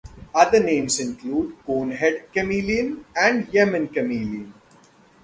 Other common names include cone-head chameleon and Yemen chameleon.